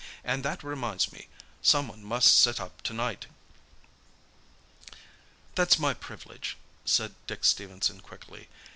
And that reminds me—someone must sit up to night." "That's my privilege," said Dick Stephenson quickly.